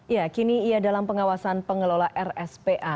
ya kini ia dalam pengawasan pengelola rspa